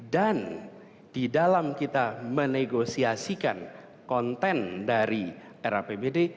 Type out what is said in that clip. dan di dalam kita menegosiasikan konten dari rapbd